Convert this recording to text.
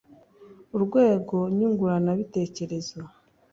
urwego nyunguranabitekerezo